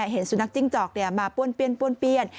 เห็นสุนัขจิ้งจอกมาป้วนเปี้ยน